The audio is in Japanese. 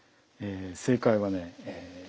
正解はね